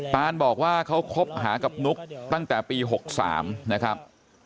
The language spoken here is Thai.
ตานบอกว่าเขาคบหากับนุ๊กตั้งแต่ปี๖๓นะครับ